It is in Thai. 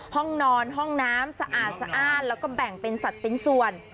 ห้องนอนห้องน้ำสะอาดสะอ้านแล้วก็แบ่งเป็นสัตว์เป็นส่วน